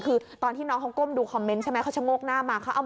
คือตอนที่น้องเขาก้มดูใช่ไหมเขาจะงกหน้ามาเขาเอา